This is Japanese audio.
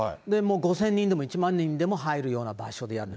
もう５０００人でも１万人でも入るような場所でやる。